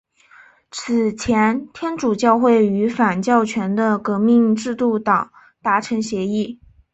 此前天主教会与反教权的革命制度党达成协议。